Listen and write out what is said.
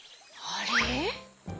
あれ？